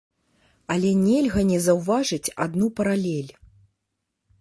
Але нельга не заўважыць адну паралель.